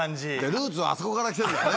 ルーツはあそこから来てるんだね。